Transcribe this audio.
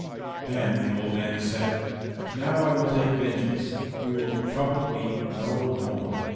Then the old man said, "Now I will take vengeance. You will trouble me no more.